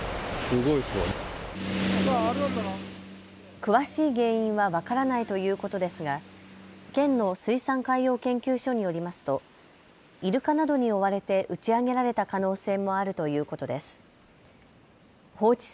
詳しい原因は分からないということですが、県の水産海洋研究所によりますとイルカなどに追われて打ち上げられた可能性もあるということです。